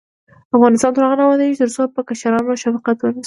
افغانستان تر هغو نه ابادیږي، ترڅو پر کشرانو شفقت ونشي.